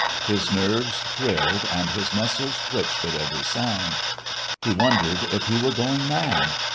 His nerves thrilled and his muscles twitched at every sound. He wondered if he were going mad.